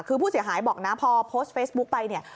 คือผู้เสียหายบอกนะพอโพสต์เฟซบุ๊กไปเนี่ย